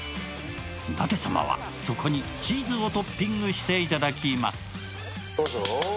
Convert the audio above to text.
舘様は、そこにチーズをトッピングしていただきます。